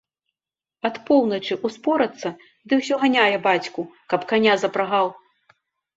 Ад поўначы ўспорацца ды ўсё ганяе бацьку, каб каня запрагаў.